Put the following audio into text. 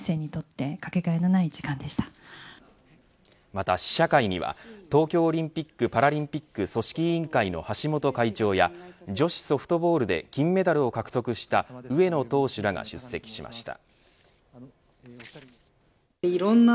また試写会には東京オリンピック・パラリンピック組織委員会の橋本会長や女子ソフトボールで金メダルを獲得した上野投手らが出席しました。